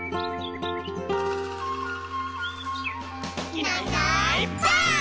「いないいないばあっ！」